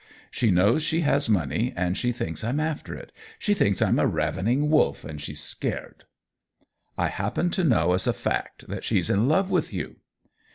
" She knows she has money, and she thinks I'm after it. She thinks I'm a rav ening wolf, and she's scared." " I happen to know, as a fact, that she's in love with you